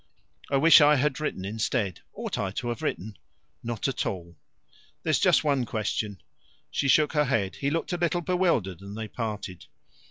"I wish I had written instead. Ought I to have written?" "Not at all." "There's just one question " She shook her head. He looked a little bewildered, and they parted.